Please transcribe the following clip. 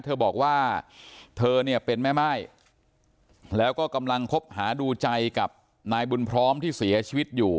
เธอบอกว่าเธอเนี่ยเป็นแม่ม่ายแล้วก็กำลังคบหาดูใจกับนายบุญพร้อมที่เสียชีวิตอยู่